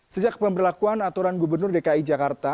sejak pemberlakuan aturan gubernur dki jakarta